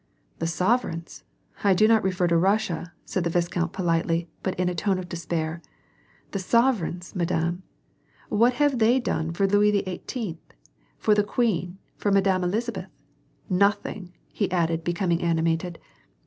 *" The sovereigns ?— I do not refer to Russia," said the viscount politely, but in atone of despair: — "The sovereigns, madame ? What have they done for Louis XVIIl., for the Queen, for Madame Elizabeth. Nothing !" he added, becom ing animated.